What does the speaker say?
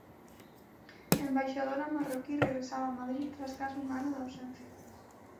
A embaixadora marroquí regresaba a Madrid tras case un ano de ausencia.